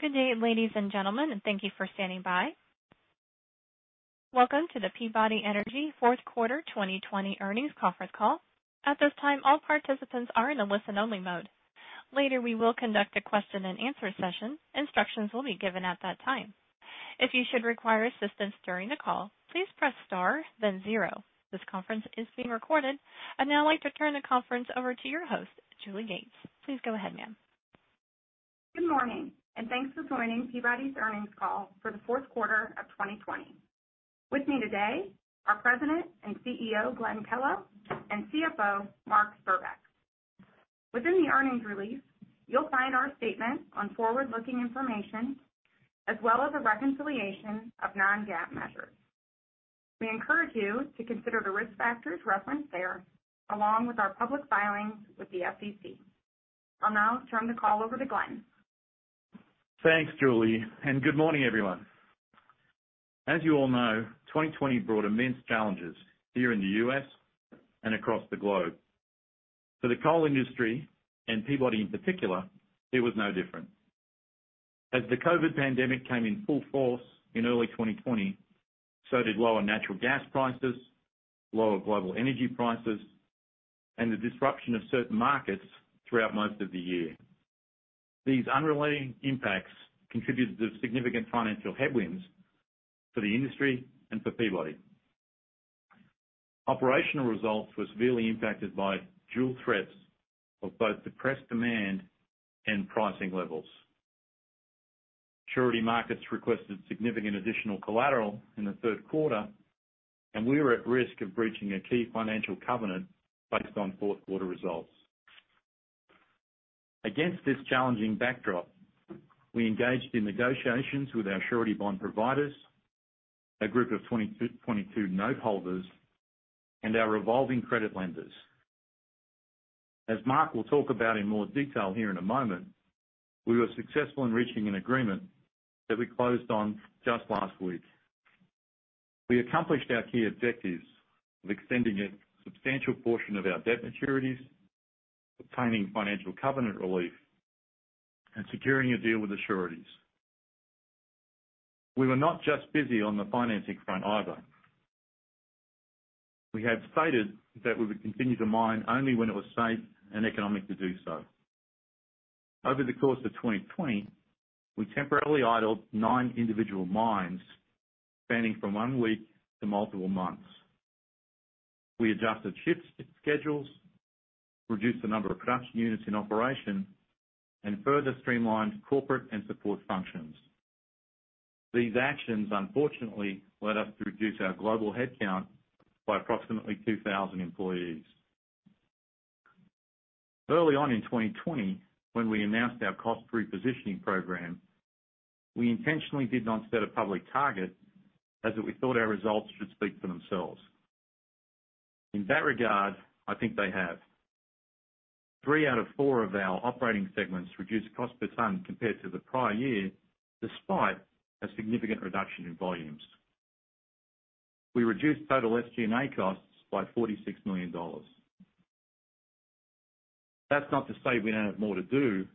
Good day, ladies and gentlemen, and thank you for standing by. Welcome to the Peabody Energy Fourth Quarter 2020 earnings conference call. At this time, all participants are in a listen-only mode. Later, we will conduct a question and answer session. Instructions will be given at that time. If you should require assistance during the call, please press star, then zero. This conference is being recorded. I'd now like to turn the conference over to your host, Julie Gates. Please go ahead, ma'am. Good morning, and thanks for joining Peabody's earnings call for the fourth quarter of 2020. With me today, our President and CEO, Glenn Kellow, and CFO, Mark Spurbeck. Within the earnings release, you'll find our statement on forward-looking information as well as a reconciliation of non-GAAP measures. We encourage you to consider the risk factors referenced there, along with our public filings with the SEC. I'll now turn the call over to Glenn. Thanks, Julie. Good morning, everyone. As you all know, 2020 brought immense challenges here in the U.S. and across the globe. For the coal industry, and Peabody in particular, it was no different. As the COVID pandemic came in full force in early 2020, so did lower natural gas prices, lower global energy prices, and the disruption of certain markets throughout most of the year. These unrelated impacts contributed to significant financial headwinds for the industry and for Peabody. Operational results were severely impacted by dual threats of both depressed demand and pricing levels. Surety markets requested significant additional collateral in the third quarter, and we were at risk of breaching a key financial covenant based on fourth quarter results. Against this challenging backdrop, we engaged in negotiations with our surety bond providers, a group of 2022 noteholders, and our revolving credit lenders. As Mark will talk about in more detail here in a moment, we were successful in reaching an agreement that we closed on just last week. We accomplished our key objectives of extending a substantial portion of our debt maturities, obtaining financial covenant relief, and securing a deal with sureties. We were not just busy on the financing front, either. We have stated that we would continue to mine only when it was safe and economic to do so. Over the course of 2020, we temporarily idled nine individual mines, spanning from one week to multiple months. We adjusted shifts and schedules, reduced the number of production units in operation, and further streamlined corporate and support functions. These actions, unfortunately, led us to reduce our global headcount by approximately 2,000 employees. Early on in 2020, when we announced our cost repositioning program, we intentionally did not set a public target as that we thought our results should speak for themselves. In that regard, I think they have. Three out of four of our operating segments reduced cost per ton compared to the prior year, despite a significant reduction in volumes. We reduced total SG&A costs by $46 million. That's not to say we don't have more to do.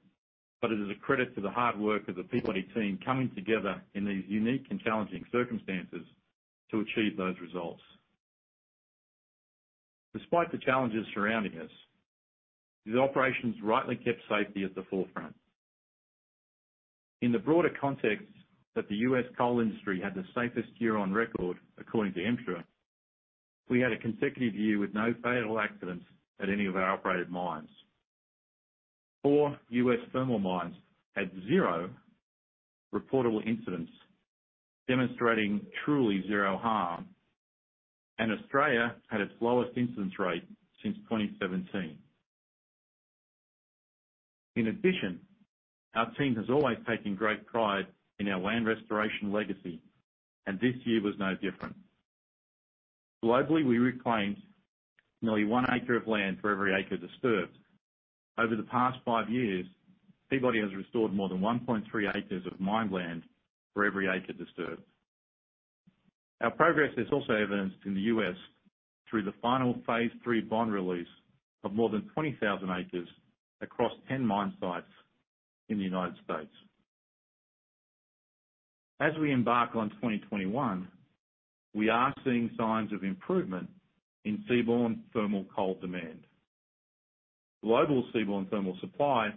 It is a credit to the hard work of the Peabody team coming together in these unique and challenging circumstances to achieve those results. Despite the challenges surrounding us, these operations rightly kept safety at the forefront. In the broader context that the U.S. coal industry had the safest year on record, according to MSHA, we had a consecutive year with no fatal accidents at any of our operated mines. Four U.S. thermal mines had zero reportable incidents, demonstrating truly zero harm, and Australia had its lowest incidence rate since 2017. In addition, our team has always taken great pride in our land restoration legacy, and this year was no different. Globally, we reclaimed nearly one acre of land for every acre disturbed. Over the past five years, Peabody has restored more than 1.3 acres of mined land for every acre disturbed. Our progress is also evidenced in the U.S. through the final phase III bond release of more than 20,000 acres across 10 mine sites in the United States. As we embark on 2021, we are seeing signs of improvement in seaborne thermal coal demand. Global seaborne thermal supply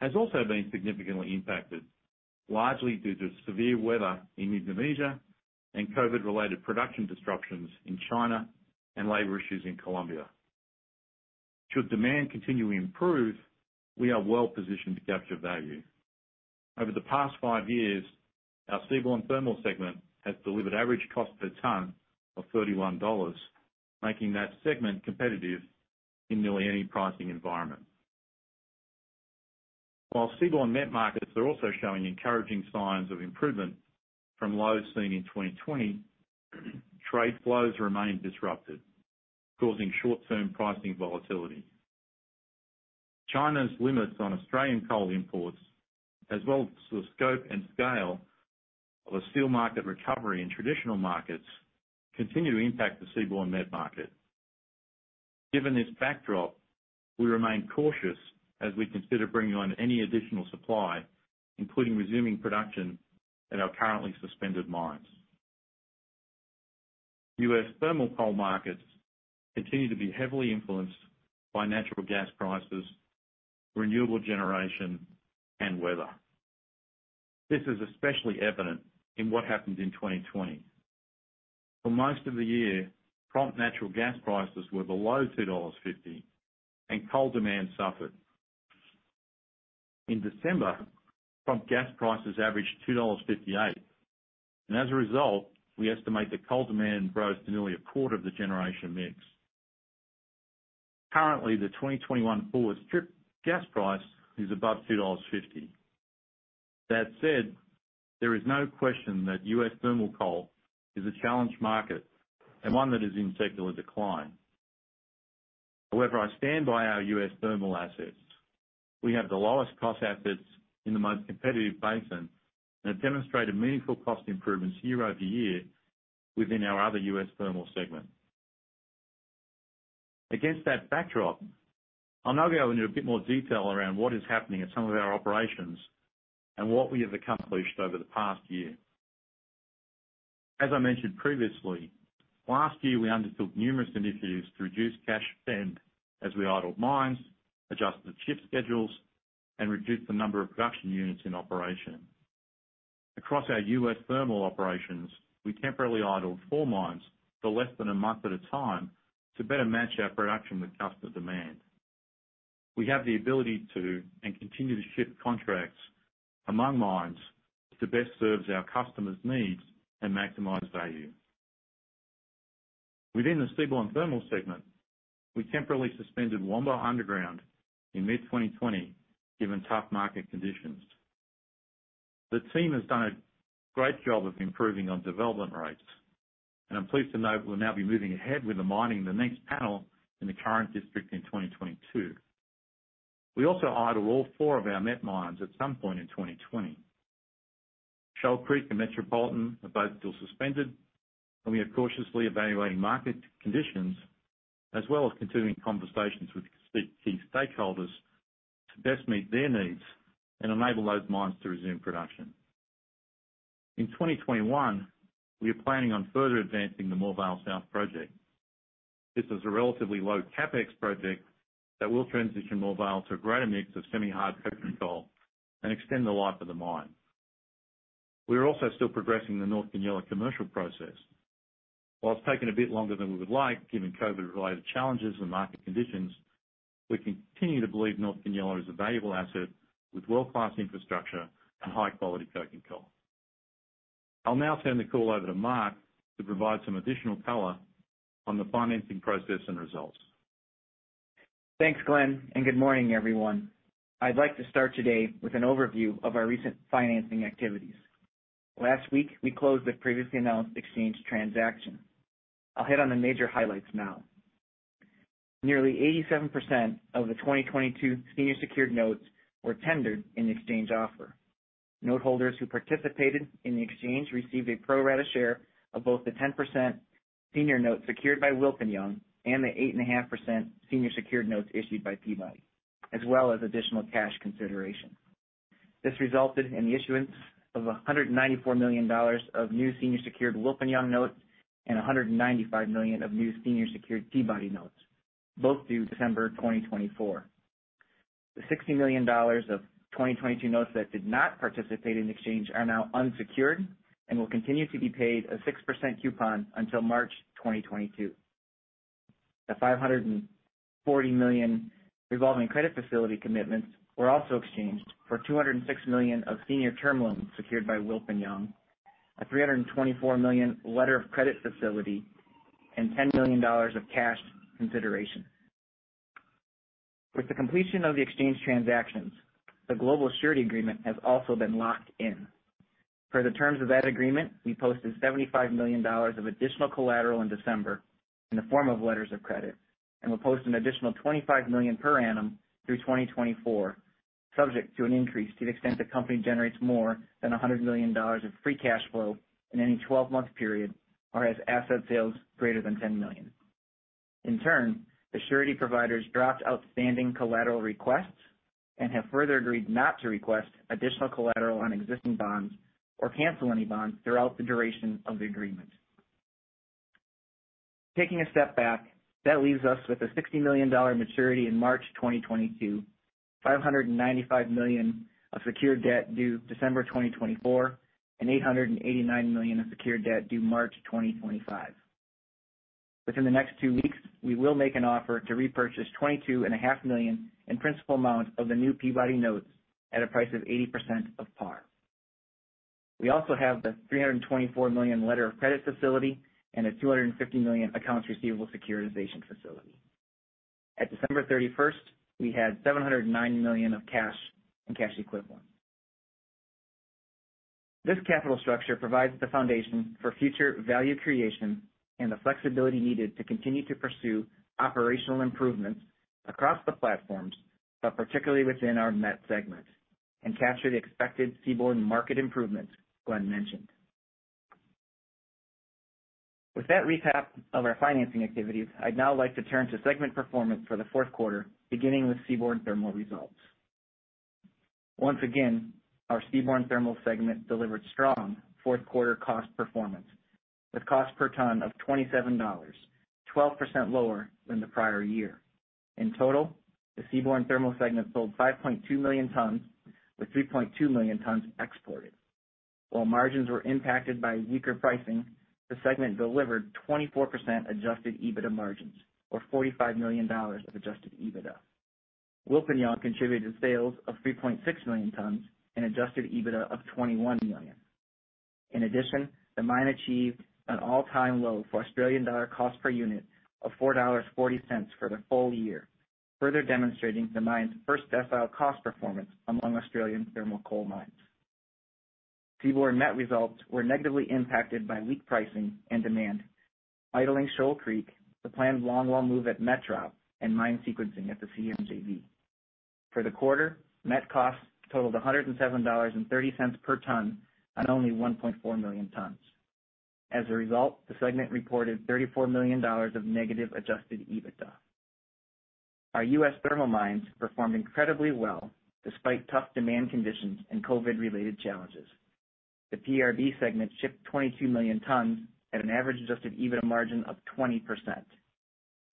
has also been significantly impacted, largely due to severe weather in Indonesia and COVID-related production disruptions in China and labor issues in Colombia. Should demand continue to improve, we are well-positioned to capture value. Over the past five years, our seaborne thermal segment has delivered average cost per ton of $31, making that segment competitive in nearly any pricing environment. While seaborne met markets are also showing encouraging signs of improvement from lows seen in 2020, trade flows remain disrupted, causing short-term pricing volatility. China's limits on Australian coal imports, as well as the scope and scale of a steel market recovery in traditional markets continue to impact the seaborne met market. Given this backdrop, we remain cautious as we consider bringing on any additional supply, including resuming production at our currently suspended mines. U.S. thermal coal markets continue to be heavily influenced by natural gas prices, renewable generation, and weather. This is especially evident in what happened in 2020. For most of the year, front natural gas prices were below $2.50, and coal demand suffered. In December, front gas prices averaged $2.58, and as a result, we estimate that coal demand rose to nearly a quarter of the generation mix. Currently, the 2021 forward strip gas price is above $2.50. That said, there is no question that US thermal coal is a challenged market and one that is in secular decline. However, I stand by our US thermal assets. We have the lowest cost assets in the most competitive basin and have demonstrated meaningful cost improvements year-over-year within our other US thermal segment. Against that backdrop, I'll now go into a bit more detail around what is happening at some of our operations and what we have accomplished over the past year. As I mentioned previously, last year, we undertook numerous initiatives to reduce cash spend as we idled mines, adjusted shift schedules, and reduced the number of production units in operation. Across our U.S. thermal operations, we temporarily idled four mines for less than a month at a time to better match our production with customer demand. We have the ability to, and continue to ship contracts among mines that best serves our customers' needs and maximize value. Within the Seaborne Thermal segment, we temporarily suspended Wambo Underground in mid-2020 given tough market conditions. The team has done a great job of improving on development rates, and I'm pleased to note we'll now be moving ahead with the mining the next panel in the current district in 2022. We also idled all four of our met mines at some point in 2020. Shoal Creek and Metropolitan are both still suspended. We are cautiously evaluating market conditions, as well as continuing conversations with key stakeholders to best meet their needs and enable those mines to resume production. In 2021, we are planning on further advancing the Moorvale South Project. This is a relatively low CapEx project that will transition Moorvale to a greater mix of semi-hard coking coal and extend the life of the mine. We are also still progressing the North Goonyella commercial process. While it's taken a bit longer than we would like, given COVID-related challenges and market conditions, we continue to believe North Goonyella is a valuable asset with world-class infrastructure and high-quality coking coal. I'll now turn the call over to Mark to provide some additional color on the financing process and results. Thanks, Glenn. Good morning, everyone. I'd like to start today with an overview of our recent financing activities. Last week, we closed the previously announced exchange transaction. I'll hit on the major highlights now. Nearly 87% of the 2022 senior secured notes were tendered in the exchange offer. Note holders who participated in the exchange received a pro-rata share of both the 10% senior notes secured by Wilpinjong and the 8.5% senior secured notes issued by Peabody, as well as additional cash consideration. This resulted in the issuance of $194 million of new senior secured Wilpinjong notes and $195 million of new senior secured Peabody notes, both due December 2024. The $60 million of 2022 notes that did not participate in the exchange are now unsecured and will continue to be paid a 6% coupon until March 2022. The $540 million revolving credit facility commitments were also exchanged for $206 million of senior term loans secured by Wilpinjong, a $324 million letter of credit facility, and $10 million of cash consideration. With the completion of the exchange transactions, the global surety agreement has also been locked in. Per the terms of that agreement, we posted $75 million of additional collateral in December in the form of letters of credit and will post an additional $25 million per annum through 2024, subject to an increase to the extent the company generates more than $100 million of free cash flow in any 12-month period or has asset sales greater than $10 million. In turn, the surety providers dropped outstanding collateral requests and have further agreed not to request additional collateral on existing bonds or cancel any bonds throughout the duration of the agreement. Taking a step back, that leaves us with a $60 million maturity in March 2022, $595 million of secured debt due December 2024, and $889 million of secured debt due March 2025. Within the next two weeks, we will make an offer to repurchase $22.5 million in principal amount of the new Peabody notes at a price of 80% of par. We also have the $324 million letter of credit facility and a $250 million accounts receivable securitization facility. At December 31st, we had $709 million of cash and cash equivalents. This capital structure provides the foundation for future value creation and the flexibility needed to continue to pursue operational improvements across the platforms, but particularly within our met segment and capture the expected seaborne market improvements Glenn mentioned. With that recap of our financing activities, I'd now like to turn to segment performance for the fourth quarter, beginning with seaborne thermal results. Once again, our seaborne thermal segment delivered strong fourth quarter cost performance with cost per ton of $27, 12% lower than the prior year. In total, the seaborne thermal segment sold 5.2 million tons, with 3.2 million tons exported. While margins were impacted by weaker pricing, the segment delivered 24% adjusted EBITDA margins, or $45 million of adjusted EBITDA. Wilpinjong contributed to sales of 3.6 million tons and adjusted EBITDA of $21 million. In addition, the mine achieved an all-time low for Australian dollar cost per unit of 4.40 dollars for the full year, further demonstrating the mine's first decile cost performance among Australian thermal coal mines. Seaborne met results were negatively impacted by weak pricing and demand, idling Shoal Creek, the planned longwall move at Metropolitan, and mine sequencing at the CMJV. For the quarter, met costs totaled $107.30 per ton on only 1.4 million tons. As a result, the segment reported $34 million of negative adjusted EBITDA. Our U.S. thermal mines performed incredibly well despite tough demand conditions and COVID-related challenges. The PRB segment shipped 22 million tons at an average adjusted EBITDA margin of 20%.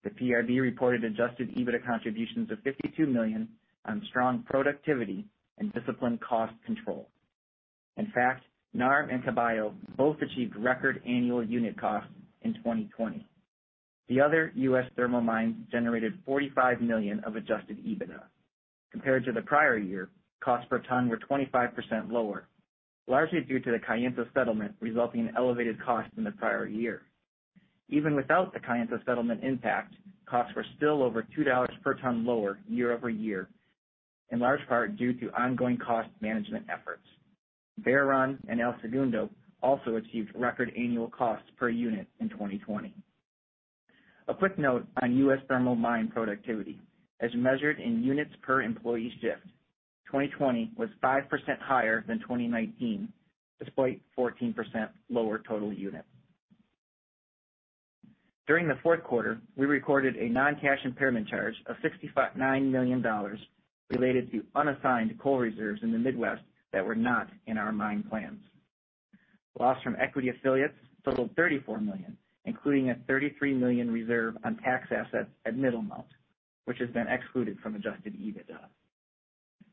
The PRB reported adjusted EBITDA contributions of $52 million on strong productivity and disciplined cost control. In fact, NARM and Caballo both achieved record annual unit costs in 2020. The other U.S. thermal mines generated $45 million of adjusted EBITDA. Compared to the prior year, costs per ton were 25% lower, largely due to the Kayenta settlement, resulting in elevated costs in the prior year. Even without the Kayenta settlement impact, costs were still over $2 per ton lower year-over-year, in large part due to ongoing cost management efforts. Bear Run and El Segundo also achieved record annual costs per unit in 2020. A quick note on U.S. thermal mine productivity. As measured in units per employee shift, 2020 was 5% higher than 2019, despite 14% lower total units. During the fourth quarter, we recorded a non-cash impairment charge of $69 million related to unassigned coal reserves in the Midwest that were not in our mine plans. Loss from equity affiliates totaled $34 million, including a $33 million reserve on tax assets at Middlemount, which has been excluded from adjusted EBITDA.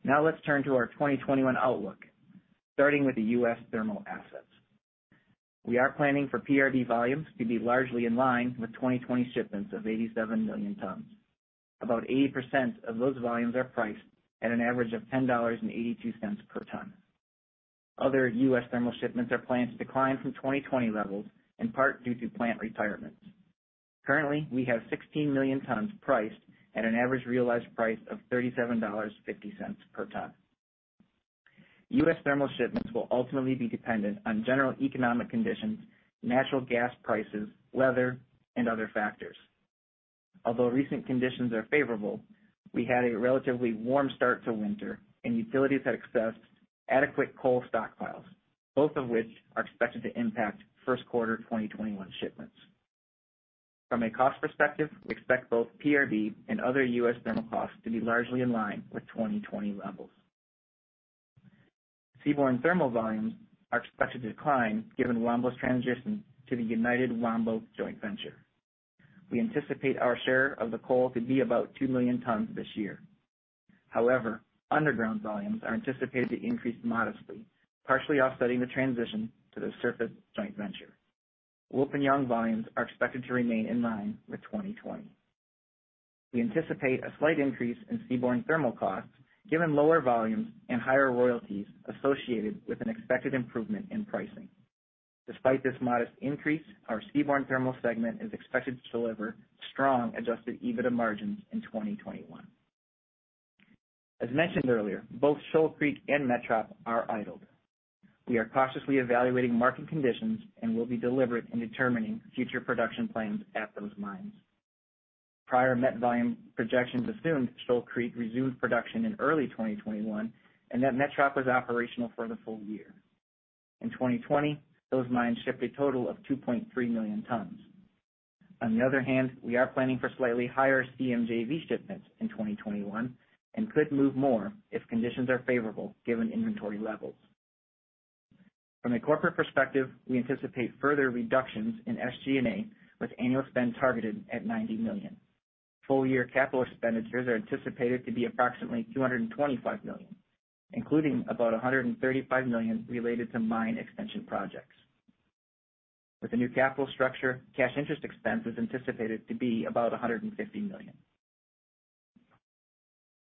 Now let's turn to our 2021 outlook, starting with the U.S. thermal assets. We are planning for PRB volumes to be largely in line with 2020 shipments of 87 million tons. About 80% of those volumes are priced at an average of $10.82 per ton. Other U.S. thermal shipments are planned to decline from 2020 levels, in part due to plant retirements. Currently, we have 16 million tons priced at an average realized price of $37.50 per ton. U.S. thermal shipments will ultimately be dependent on general economic conditions, natural gas prices, weather, and other factors. Although recent conditions are favorable, we had a relatively warm start to winter, and utilities had accessed adequate coal stockpiles, both of which are expected to impact first quarter 2021 shipments. From a cost perspective, we expect both PRB and other U.S. thermal costs to be largely in line with 2020 levels. Seaborne thermal volumes are expected to decline given Wambo's transition to the United Wambo Joint Venture. We anticipate our share of the coal to be about 2 million tons this year. However, underground volumes are anticipated to increase modestly, partially offsetting the transition to the surface joint venture. Wilpinjong volumes are expected to remain in line with 2020. We anticipate a slight increase in seaborne thermal costs given lower volumes and higher royalties associated with an expected improvement in pricing. Despite this modest increase, our seaborne thermal segment is expected to deliver strong adjusted EBITDA margins in 2021. As mentioned earlier, both Shoal Creek and Metrop are idled. We are cautiously evaluating market conditions and will be deliberate in determining future production plans at those mines. Prior met volume projections assumed Shoal Creek resumed production in early 2021, and that Metrop was operational for the full year. In 2020, those mines shipped a total of 2.3 million tons. On the other hand, we are planning for slightly higher CMJV shipments in 2021 and could move more if conditions are favorable given inventory levels. From a corporate perspective, we anticipate further reductions in SG&A, with annual spend targeted at $90 million. Full-year capital expenditures are anticipated to be approximately $225 million, including about $135 million related to mine extension projects. With the new capital structure, cash interest expense is anticipated to be about $150 million.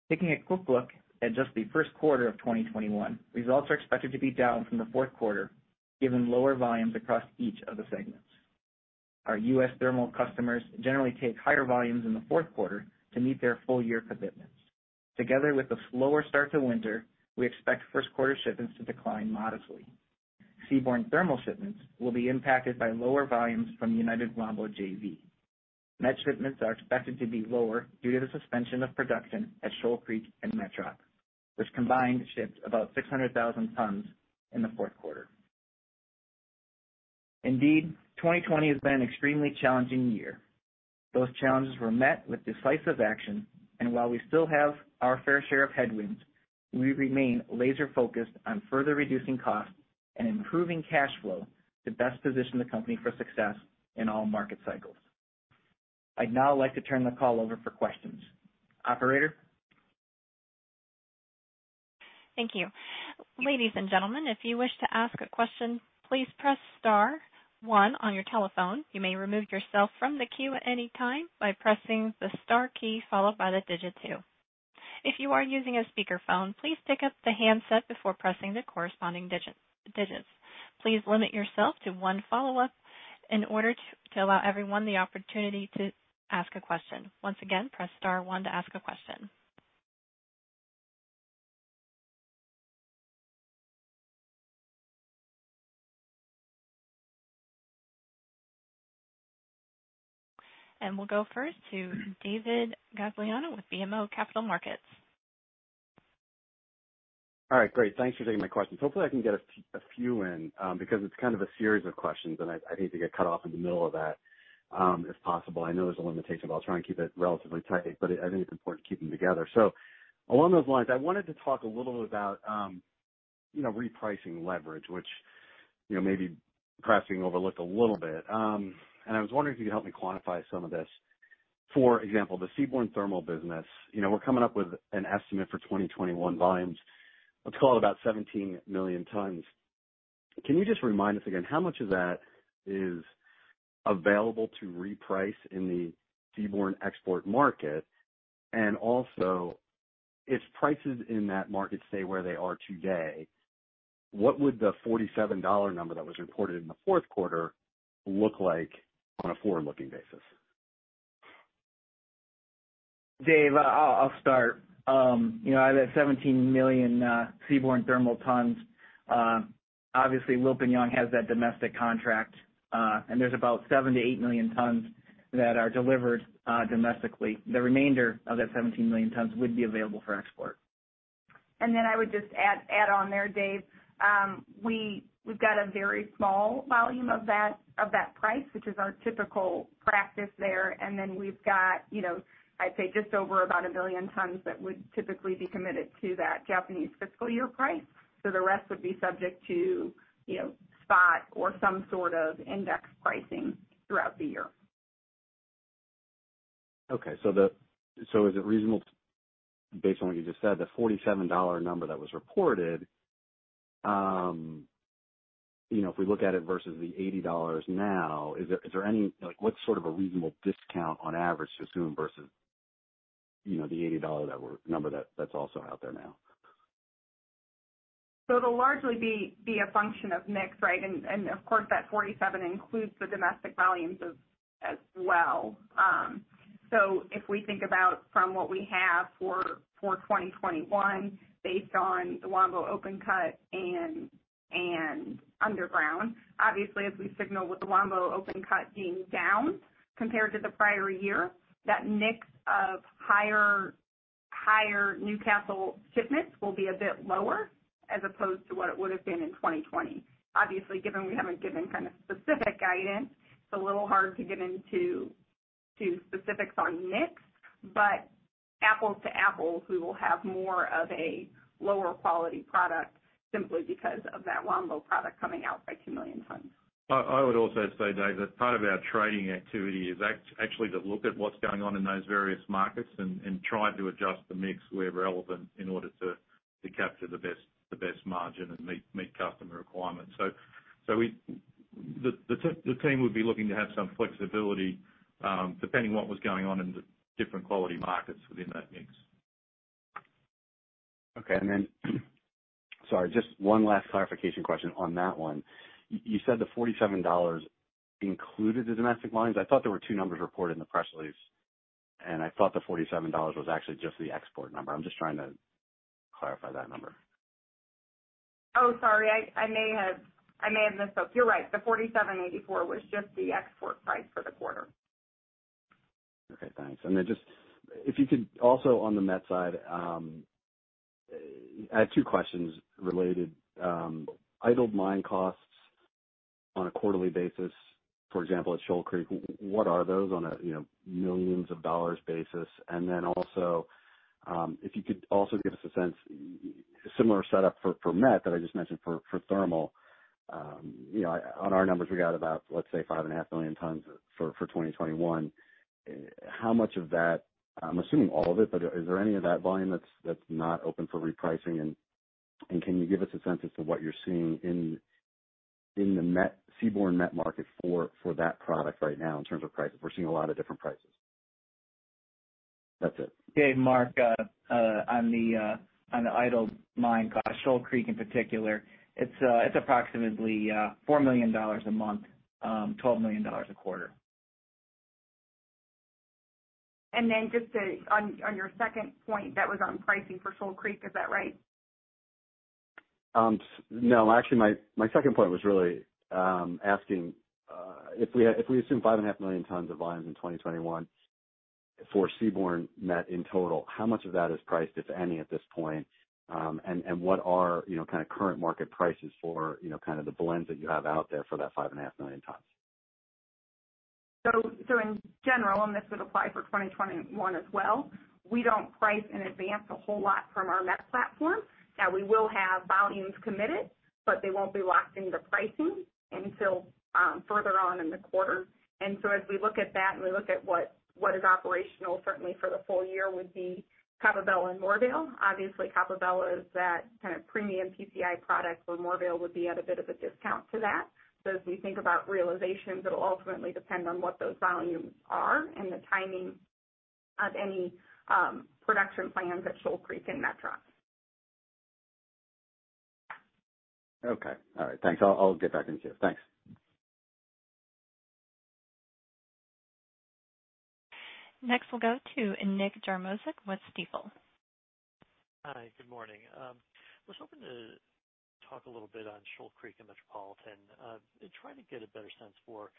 Taking a quick look at just the first quarter of 2021, results are expected to be down from the fourth quarter given lower volumes across each of the segments. Our U.S. thermal customers generally take higher volumes in the fourth quarter to meet their full-year commitments. Together with the slower start to winter, we expect first quarter shipments to decline modestly. Seaborne thermal shipments will be impacted by lower volumes from the United Wambo JV. Met shipments are expected to be lower due to the suspension of production at Shoal Creek and Metrop, which combined, shipped about 600,000 tons in the fourth quarter. Indeed, 2020 has been an extremely challenging year. Those challenges were met with decisive action, and while we still have our fair share of headwinds, we remain laser-focused on further reducing costs and improving cash flow to best position the company for success in all market cycles. I'd now like to turn the call over for questions. Operator? We'll go first to David Gagliano with BMO Capital Markets. All right. Great. Thanks for taking my questions. Hopefully, I can get a few in, because it's kind of a series of questions, and I'd hate to get cut off in the middle of that, if possible. I know there's a limitation, but I'll try and keep it relatively tight. I think it's important to keep them together. Along those lines, I wanted to talk a little bit about repricing leverage, which maybe perhaps being overlooked a little bit. I was wondering if you could help me quantify some of this. For example, the seaborne thermal business. We're coming up with an estimate for 2021 volumes, let's call it about 17 million tons. Can you just remind us again, how much of that is available to reprice in the seaborne export market? If prices in that market stay where they are today, what would the $47 number that was reported in the fourth quarter look like on a forward-looking basis? Dave, I'll start. That 17 million seaborne thermal tons, obviously, Wilpinjong has that domestic contract, and there's about 7 million-8 million tons that are delivered domestically. The remainder of that 17 million tons would be available for export. I would just add on there, Dave. We've got a very small volume of that price, which is our typical practice there. We've got, I'd say, just over about 1 million tons that would typically be committed to that Japanese fiscal year price. The rest would be subject to spot or some sort of index pricing throughout the year. Okay. Is it reasonable, based on what you just said, the $47 number that was reported, if we look at it versus the $80 now, what sort of a reasonable discount on average to assume versus the $80 number that's also out there now? It'll largely be a function of mix, right? Of course, that $47 includes the domestic volumes as well. If we think about from what we have for 2021, based on the Wambo open cut and underground, obviously, as we signal with the Wambo open cut being down compared to the prior year, that mix of higher Newcastle shipments will be a bit lower as opposed to what it would've been in 2020. Obviously, given we haven't given specific guidance, it's a little hard to get into specifics on mix, but apples to apples, we will have more of a lower quality product simply because of that Wambo product coming out by 2 million tons. I would also say, Dave, that part of our trading activity is actually to look at what's going on in those various markets and try to adjust the mix where relevant in order to capture the best margin and meet customer requirements. The team would be looking to have some flexibility, depending what was going on in the different quality markets within that mix. Okay. Sorry, just one last clarification question on that one. You said the $47 included the domestic mines. I thought there were two numbers reported in the press release, and I thought the $47 was actually just the export number. I'm just trying to clarify that number. Oh, sorry. I may have messed up. You're right. The $47.84 was just the export price for the quarter. Okay, thanks. If you could also on the met side, I have two questions related. Idled mine costs on a quarterly basis, for example, at Shoal Creek, what are those on a $ million basis? If you could also give us a sense, similar setup for met that I just mentioned for thermal. On our numbers, we got about, let's say, 5.5 million tons for 2021. How much of that, I'm assuming all of it, is there any of that volume that's not open for repricing? Can you give us a sense as to what you're seeing in the seaborne met market for that product right now in terms of prices? We're seeing a lot of different prices. That's it. Dave, Mark, on the idled mine cost, Shoal Creek in particular, it's approximately $4 million a month, $12 million a quarter. Just on your second point, that was on pricing for Shoal Creek, is that right? No. Actually, my second point was really asking, if we assume 5.5 million tons of volumes in 2021 for seaborne met in total, how much of that is priced, if any, at this point? What are current market prices for the blends that you have out there for that 5.5 million tons? In general, and this would apply for 2021 as well, we don't price in advance a whole lot from our met platform. We will have volumes committed, but they won't be locking the pricing until further on in the quarter. As we look at that and we look at what is operational, certainly for the full year would be Coppabella and Moorvale. Obviously, Coppabella is that premium PCI product where Moorvale would be at a bit of a discount to that. As we think about realizations, it'll ultimately depend on what those volumes are and the timing of any production plans at Shoal Creek and Metrop. Okay. All right. Thanks. I'll get back in queue. Thanks. Next, we'll go to Nick Jarmoszuk with Stifel. Hi, good morning. I was hoping to talk a little bit on Shoal Creek and Metropolitan, and try to get a better sense for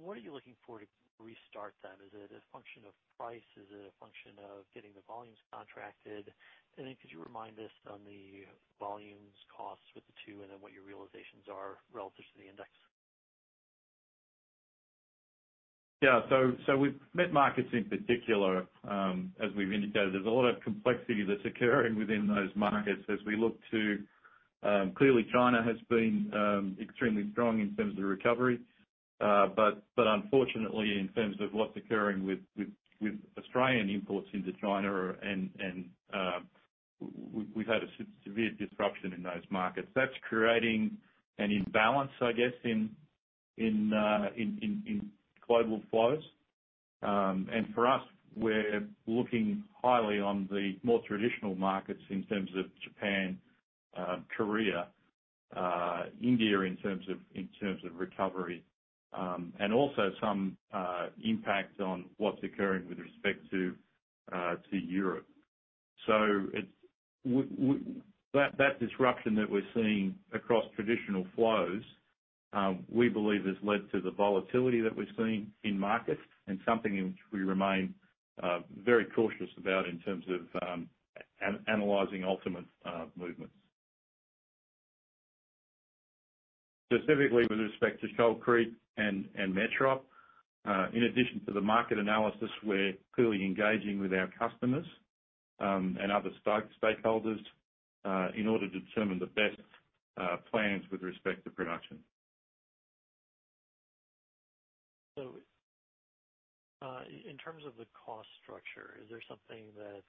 what are you looking for to restart that. Is it a function of price? Is it a function of getting the volumes contracted? Could you remind us on the volumes costs with the two and then what your realizations are relative to the index? Yeah. With met markets in particular, as we've indicated, there's a lot of complexity that's occurring within those markets. Clearly China has been extremely strong in terms of recovery. Unfortunately, in terms of what's occurring with Australian imports into China, we've had a severe disruption in those markets. That's creating an imbalance, I guess, in global flows. For us, we're looking highly on the more traditional markets in terms of Japan, Korea, India in terms of recovery. Also some impact on what's occurring with respect to Europe. That disruption that we're seeing across traditional flows, we believe, has led to the volatility that we're seeing in markets and something in which we remain very cautious about in terms of analyzing ultimate movements. Specifically with respect to Shoal Creek and Metrop, in addition to the market analysis, we're clearly engaging with our customers, and other stakeholders, in order to determine the best plans with respect to production. In terms of the cost structure, is there something that's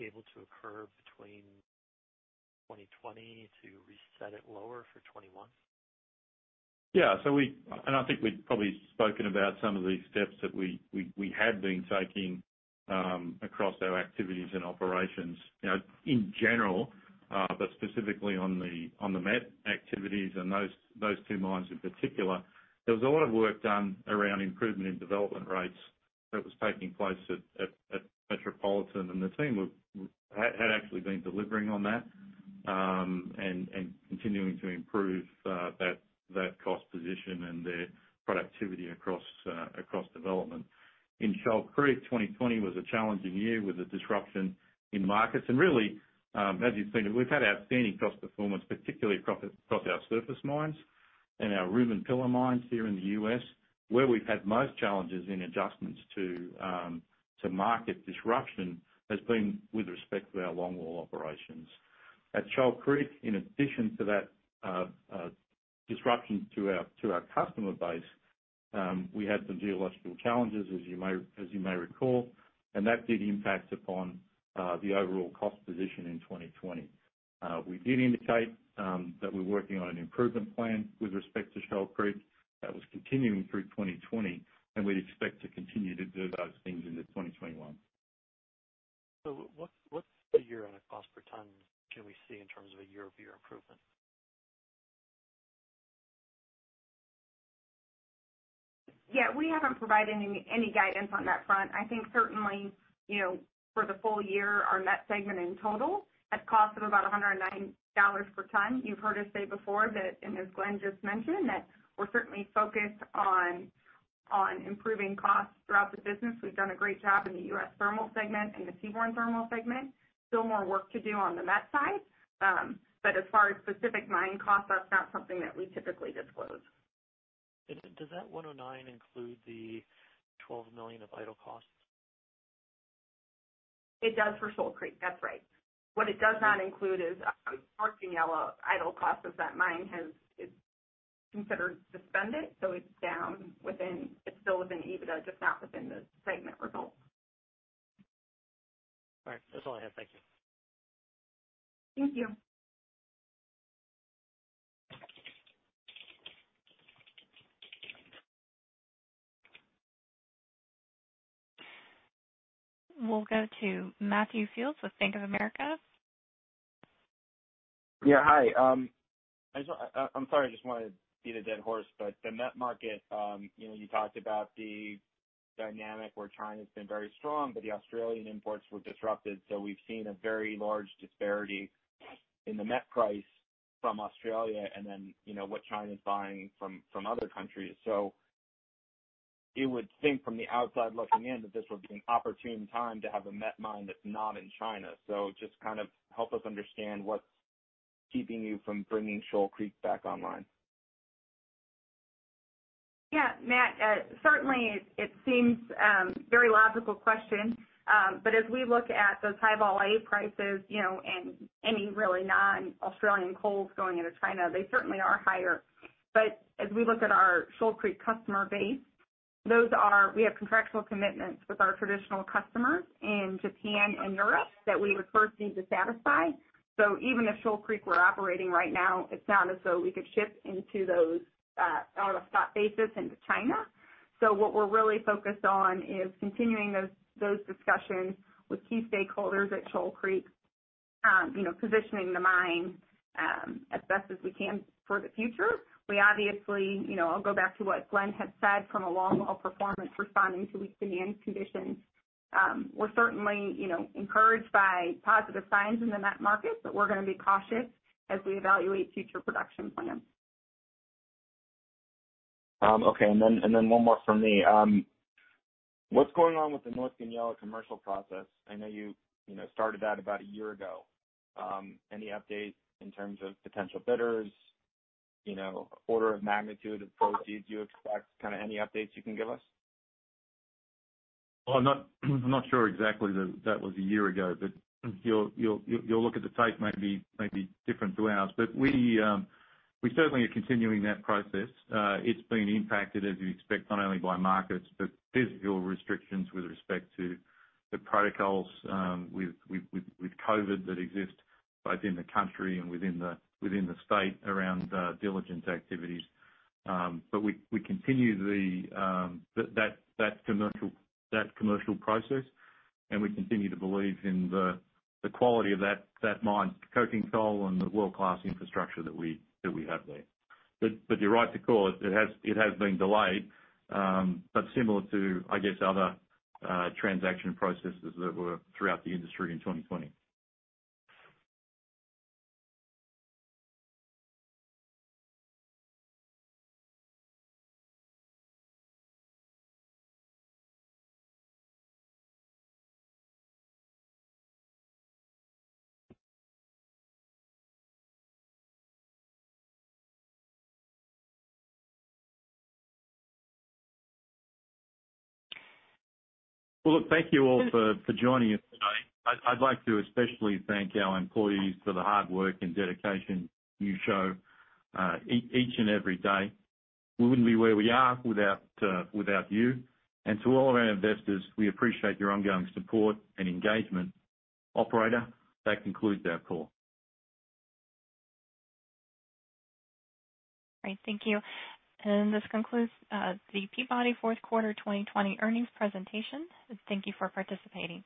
able to occur between 2020 to reset it lower for 2021? Yeah. I think we've probably spoken about some of the steps that we had been taking across our activities and operations in general, but specifically on the met activities and those two mines in particular. There was a lot of work done around improvement in development rates that was taking place at Metropolitan, and the team had actually been delivering on that, and continuing to improve that cost position and their productivity across development. In Shoal Creek, 2020 was a challenging year with the disruption in markets. Really, as you've seen it, we've had outstanding cost performance, particularly across our surface mines and our room-and-pillar mines here in the U.S. Where we've had most challenges in adjustments to market disruption has been with respect to our longwall operations. At Shoal Creek, in addition to that disruption to our customer base, we had some geological challenges, as you may recall, and that did impact upon the overall cost position in 2020. We did indicate that we're working on an improvement plan with respect to Shoal Creek that was continuing through 2020, and we'd expect to continue to do those things into 2021. What's the year-on-year cost per ton can we see in terms of a year-over-year improvement? Yeah, we haven't provided any guidance on that front. I think certainly, for the full year, our met segment in total had costs of about $109 per ton. You've heard us say before that, and as Glenn just mentioned, that we're certainly focused on improving costs throughout the business. We've done a great job in the U.S. thermal segment and the seaborne thermal segment. Still more work to do on the met side. As far as specific mine costs, that's not something that we typically disclose. Does that 109 include the $12 million of idle costs? It does for Shoal Creek. That's right. What it does not include is North Goonyella idle costs, as that mine is considered suspended. It's still within EBITDA, just not within the segment results. All right. That's all I have. Thank you. Thank you. We'll go to Matthew Fields with Bank of America. Yeah, hi. I'm sorry, I just want to beat a dead horse, but the met market, you talked about the dynamic where China's been very strong, but the Australian imports were disrupted. We've seen a very large disparity in the met price from Australia and then, what China's buying from other countries. You would think from the outside looking in, that this would be an opportune time to have a met mine that's not in China. Just help us understand what's keeping you from bringing Shoal Creek back online. Yeah, Matt, certainly it seems very logical question. As we look at those high-vol A prices, and any really non-Australian coals going into China, they certainly are higher. As we look at our Shoal Creek customer base, we have contractual commitments with our traditional customers in Japan and Europe that we would first need to satisfy. Even if Shoal Creek were operating right now, it's not as though we could ship into those on a spot basis into China. What we're really focused on is continuing those discussions with key stakeholders at Shoal Creek, positioning the mine as best as we can for the future. I'll go back to what Glenn had said from a longwall performance responding to weak demand conditions. We're certainly encouraged by positive signs in the met market, we're going to be cautious as we evaluate future production plans. Okay. One more from me. What's going on with the North Goonyella commercial process? I know you started that about a year ago. Any updates in terms of potential bidders, order of magnitude of proceeds you expect, any updates you can give us? I'm not sure exactly that that was a year ago, but your look at the tape may be different to ours. We certainly are continuing that process. It's been impacted, as you expect, not only by markets, but physical restrictions with respect to the protocols with COVID that exist both in the country and within the state around diligence activities. We continue that commercial process and we continue to believe in the quality of that mine's coking coal and the world-class infrastructure that we have there. You're right to call it. It has been delayed, but similar to, I guess, other transaction processes that were throughout the industry in 2020. Look, thank you all for joining us today. I'd like to especially thank our employees for the hard work and dedication you show each and every day. We wouldn't be where we are without you. To all of our investors, we appreciate your ongoing support and engagement. Operator, that concludes our call. Great. Thank you. This concludes the Peabody fourth quarter 2020 earnings presentation, and thank you for participating.